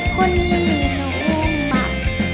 คนนี้หนูหนูมา